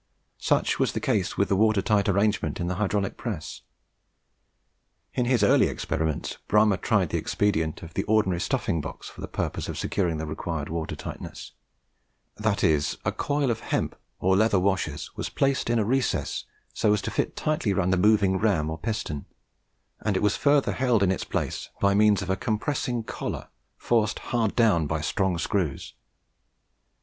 Such was the case with the water tight arrangement in the hydraulic press. In his early experiments, Bramah tried the expedient of the ordinary stuffing box for the purpose of securing the required water tightness' That is, a coil of hemp on leather washers was placed in a recess, so as to fit tightly round the moving ram or piston, and it was further held in its place by means of a compressing collar forced hard down by strong screws.